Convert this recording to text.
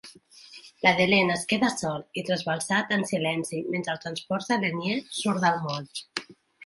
La Delenn es queda sol i trasbalsat en silenci mentre el transport del Lennier surt del moll.